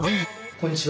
こんにちは。